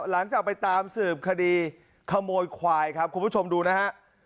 หลังจากไปตามสืบคดีขโมยควายครับคุณผู้ชมดูนะฮะ